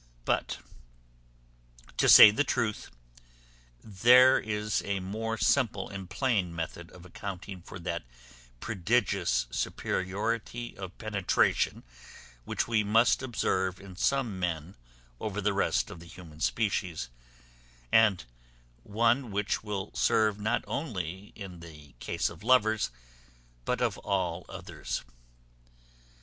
But, to say the truth, there is a more simple and plain method of accounting for that prodigious superiority of penetration which we must observe in some men over the rest of the human species, and one which will serve not only in the case of lovers, but of all others.